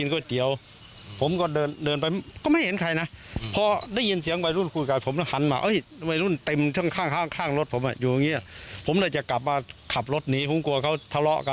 เกือบจะทะลุไปที่คนขับอะ